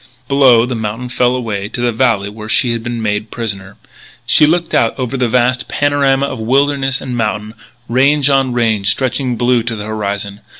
Below the mountain fell away to the valley where she had been made prisoner. She looked out over the vast panorama of wilderness and mountain, range on range stretching blue to the horizon.